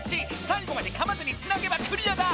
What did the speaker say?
さいごまでかまずにつなげばクリアだ！